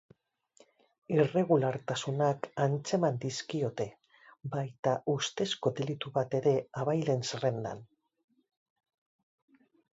Irregulartasunak antzeman dizkiote, baita ustezko delitu bat ere abalen zerrendan.